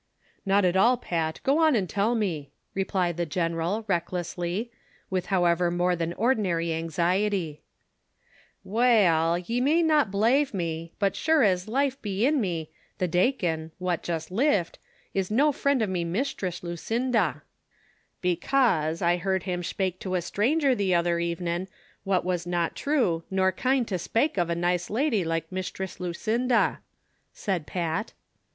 " Not at all, Pat, go on and tell me," replied the general, recklessly, with however more than ordinary anxiety. THE CONSPIRATORS AND LOVERS. 59 " We 11, ye may not belave me, but share as life be in me, the clacon, what jist lift, is no frinrl of me Mishtress Lucinda ; becase, I heerd him spake to a stranger the other evenin' what was not true, nor kind to spake of a nice lady like Mishtress Lucinda," said Pat.